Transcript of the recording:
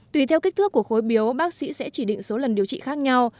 tùy theo kích thước của khối biếu bác sĩ sẽ chỉ định số lần điều trị khác nhau